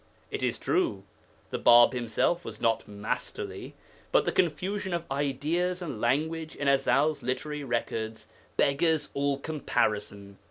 It is true, the Bāb himself was not masterly, but the confusion of ideas and language in Ezel's literary records beggars all comparison.